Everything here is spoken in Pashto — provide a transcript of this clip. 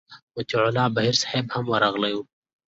مطیع الله بهیر صاحب هم ورغلی و.